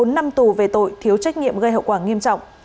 bốn năm tù về tội thiếu trách nhiệm gây hậu quả nghiêm trọng